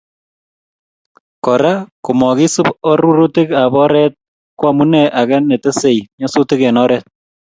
Kora ko mokisub arorutikab oret ko amune age ne tesei nyasutik eng oret